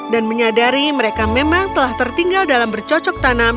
dan menyadari mereka memang telah tertinggal dalam bercocok tanam